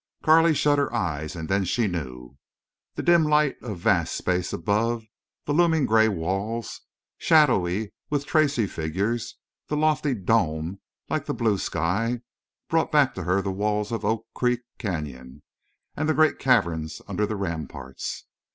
Carley shut her eyes, and then she knew. The dim light of vast space above, the looming gray walls, shadowy with tracery of figures, the lofty dome like the blue sky, brought back to her the walls of Oak Creek Canyon and the great caverns under the ramparts.